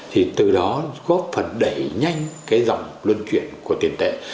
thì từ đó góp phần đẩy nhanh cái dòng luân chuyển của tiền tệ